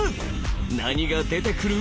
何が出てくる？